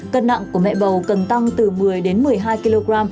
cân nặng của mẹ bầu cần tăng từ một mươi đến một mươi hai kg